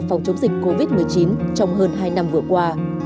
phòng chống dịch covid một mươi chín trong hơn hai năm vừa qua